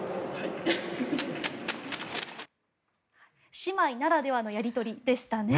姉妹ならではのやり取りでしたね。